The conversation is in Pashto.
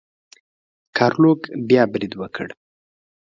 ګارلوک بیا برید وکړ.